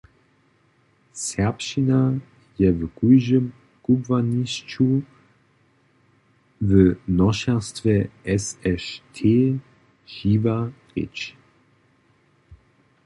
Serbšćina je w kóždym kubłanišću w nošerstwje SŠT žiwa rěč.